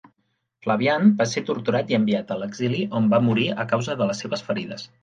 Flavian va ser torturat i enviat a l'exili, on va morir a causa de les seves ferides.